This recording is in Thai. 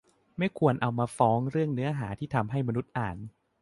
ไม่ควรเอามาฟ้องเรื่องเนื้อหาที่ทำให้มนุษย์อ่าน